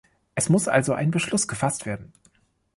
Es muss also ein Beschluss gefasst werden.